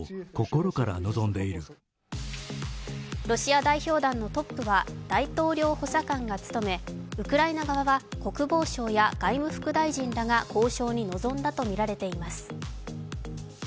ロシア代表団のトップは大統領補佐官が務めウクライナ側は国防相や外務副大臣が交渉に臨んだとみられています。